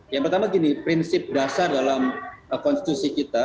yang pertama gini prinsip dasar dalam konstitusi kita